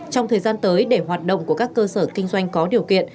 trong thời gian tới để hoạt động của các cơ sở kinh doanh có điều kiện